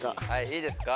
いいですか？